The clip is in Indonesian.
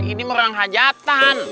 ini merang hajatan